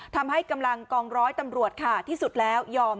ทำให้กำลังกองร้อยตำรวจค่ะที่สุดแล้วยอม